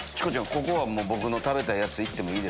ここは僕の食べたいやついっていい？